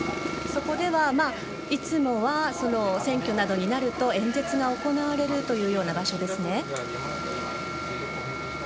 そこではいつもは選挙などになると演説が行われるというような場所ですね。